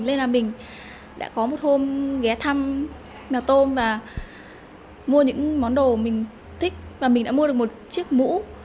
nên là mình đã có một hôm ghé thăm mèo tôm và mua những món đồ mình thích và mình đã mua được một chiếc mũ